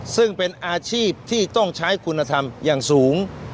ซึ่งเป็นอาชีพที่ต้องใช้คุณธรรมอย่างสูง